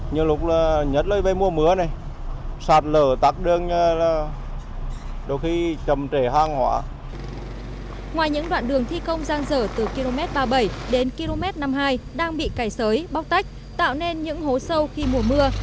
năm hai nghìn một mươi hai đang bị cải sới bóc tách tạo nên những hố sâu khi mùa mưa